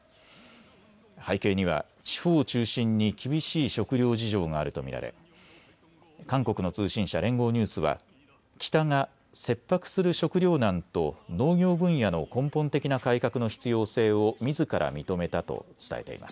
背景には地方を中心に厳しい食料事情があると見られ、韓国の通信社連合ニュースは北が切迫する食糧難と農業分野の根本的な改革の必要性をみずから認めたと伝えています。